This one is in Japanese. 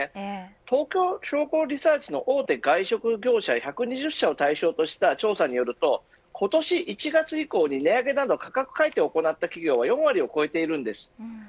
東京商工リサーチの大手外食業者１２０社を対象にした調査によると、今年１月以降に値上げなどの価格改定を行った企業は４割を超えています。